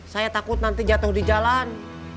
saya takut nanti jatuh di jalan